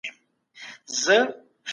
که ماشوم تمرین وکړي، مهارت نه کمزوری کېږي.